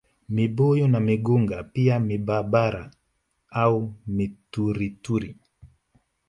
Mibuyu na migunga pia mibabara au miturituri